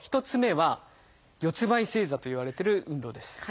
１つ目は「四つんばい正座」といわれてる運動です。